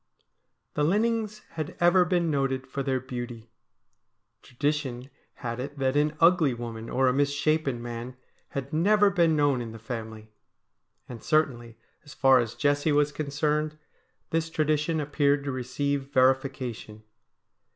The Linnings had ever been noted for their beauty. Tradition had it that an ugly woman or a mis shapen man had never been known in the family. And certainly, as far as Jessie was concerned, this tradition appeared to receive verification.